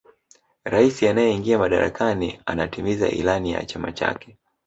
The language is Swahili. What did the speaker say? raisi anayeingia madarakani anatimiza ilani ya chama chake